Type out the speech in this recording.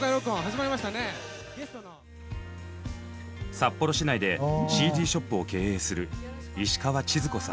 札幌市内でＣＤショップを経営する石川千鶴子さん。